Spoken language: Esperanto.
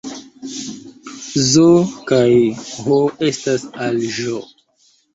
Z kaj H egalas al Ĵ